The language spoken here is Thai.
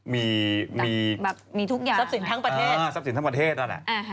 มีแบบมีทุกอย่างทรัพย์สินทั้งประเทศทรัพย์สินทั้งประเทศนั่นแหละ